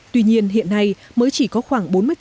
tuy nhiên hiện nay mới chỉ có khoảng bốn mươi